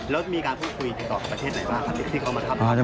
แล้วมีการคุยติดต่อกับประเทศไหนบ้างที่เขามาทำ